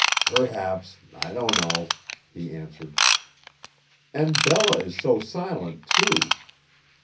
"Perhaps. I don't know," he answered. "And Bella is so silent, too.